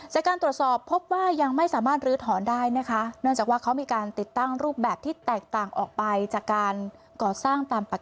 จากการตรวจสอบพบว่ายังไม่สามารถลื้อถอนได้นะคะเนื่องจากว่าเขามีการติดตั้งรูปแบบที่แตกต่างออกไปจากการก่อสร้างตามปกติ